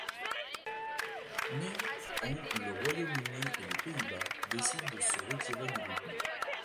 Mais en le Royaume-Uni et les Pays-Bas décident de se retirer du groupement.